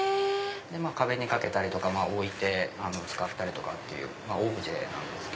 壁に掛けたり置いて使ったりとかまぁオブジェなんです。